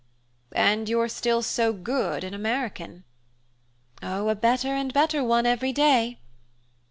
"And you're still so good an American." "Oh, a better and better one every day!"